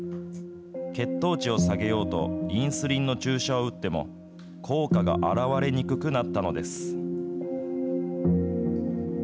血糖値を下げようと、インスリンの注射を打っても、効果が現れにくくなったのです。